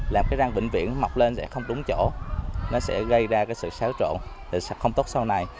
làm răng bệnh viện mọc lên không đúng chỗ gây ra sự xáo trộn không tốt sau này